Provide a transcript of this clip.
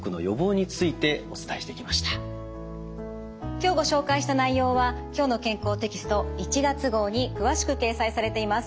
今日ご紹介した内容は「きょうの健康」テキスト１月号に詳しく掲載されています。